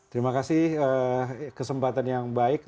terima kasih kesempatan yang baik